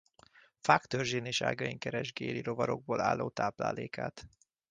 Fák törzsén és ágain keresgéli rovarokból álló táplálékát.